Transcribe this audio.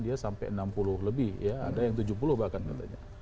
ada yang enam puluh lebih ada yang tujuh puluh bahkan katanya